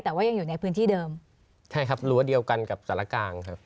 แต่ว่ายังอยู่ในพื้นที่เดิมใช่ครับรั้วเดียวกันกับสารกลางครับ